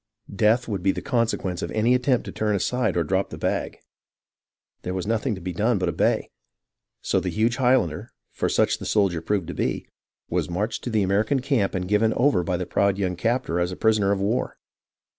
Death would be the consequence of any attempt to turn aside or drop the bag. There was nothing to be done but obey ; so the huge Highlander, for such the soldier proved to be, was marched to the American camp and given over by the proud young captor as a prisoner of war.